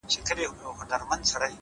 o سیاه پوسي ده؛ اوښکي نڅېږي؛